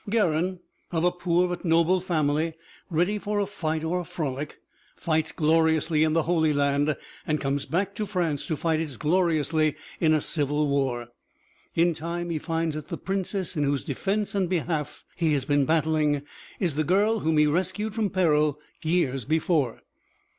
Garin, of a poor but noble family, ready for a fight or a frolic, fights gloriously in the Holy Land and comes back to France to fight as gloriously in a civil war. In time he finds that the princess in whose defense and behalf he has been battling is the girl whom he rescued from peril years before.